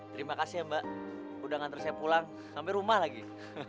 terima kasih ya mbak udah nganter saya pulang sampai rumah lagi